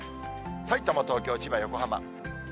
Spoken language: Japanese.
さいたま、東京、千葉、横浜。